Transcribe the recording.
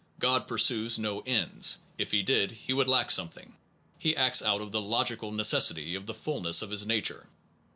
God pursues no ends if he did he would lack something. He acts out of the logical necessity of the fulness of his nature.